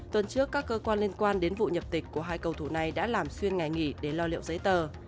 tuần trước các cơ quan liên quan đến vụ nhập tịch của hai cầu thủ này đã làm xuyên ngày nghỉ để lo liệu giấy tờ